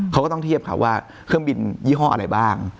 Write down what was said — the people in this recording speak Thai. เครื่องบินยี่ห้อยังไงบ้าง